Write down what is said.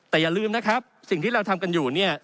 แต่อย่าลืมนะครับสิ่งที่เราทำกันอยู่เนี่ย